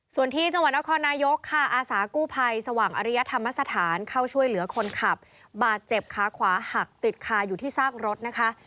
ส่วนที่จังหวัดนครนายกค่ะอาสากู้ภัยสว่างอริยธรรมสถานเข้าช่วยเหลือคนขับบาดเจ็บขาขวาหักติดคาอยู่ที่ซากรถนะคะ